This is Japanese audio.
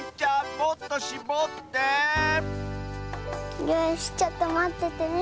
もっとしぼってよしちょっとまっててね。